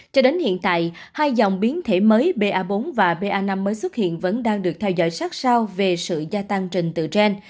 cho đến hiện tại hai dòng biến thể mới ba bốn và ba năm mới xuất hiện vẫn đang được theo dõi sát sao về sự gia tăng trình tự gen